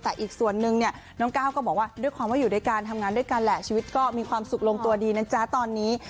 แต่อีกส่วนนึงเนี่ยน้องก้าวก็บอกว่าด้วยความว่าอยู่ด้วยกันทำงานด้วยกันแหละชีวิตก็มีความสุขลงตัวดีนะจ๊ะตอนนี้